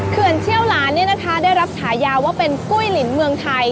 เขื่อนเชี่ยวหลานนะคะได้รับชายาว่าเป็นกุ้ยลินเมืองไทย